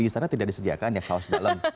sudah disediakan ya kaos dalam